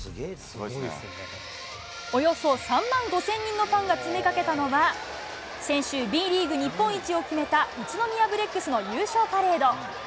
およそ３万５０００人のファンが詰めかけたのは、先週、Ｂリーグ日本一を決めた、宇都宮ブレックスの優勝パレード。